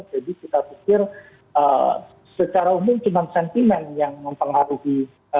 jadi kita pikir secara umum cuma sentimen yang mempengaruhi